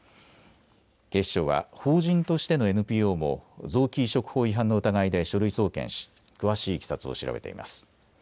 警視庁は法人としてのＮＰＯも臓器移植法違反の疑いで書類送検し詳しいいきさつを調べています。